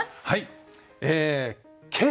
はい。